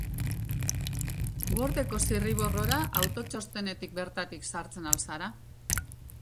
Word-eko zirriborrora autotxostenetik bertatik sartzen ahal zara.